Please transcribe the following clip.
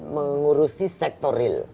mengurusi sektor real